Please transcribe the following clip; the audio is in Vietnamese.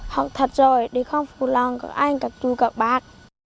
học thật rồi để không phù lòng cả anh cả chú cả bác